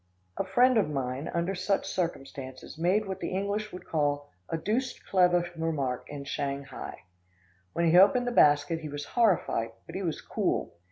A friend of mine, under such circumstances, made what the English would call "a doosed clevah" remark once in Shanghai. When he opened the basket he was horrified, but he was cool.